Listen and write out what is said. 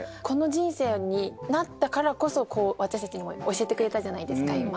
この人生になったからこそ私たちに教えてくれたじゃないですか